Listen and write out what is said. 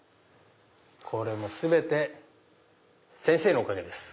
これも全て先生のおかげです。